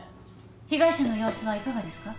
被害者の様子はいかがですか？